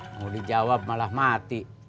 mau dijawab malah mati